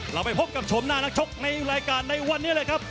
เราไปพบกับชมหน้านักชกในรายการในวันนี้เลยครับ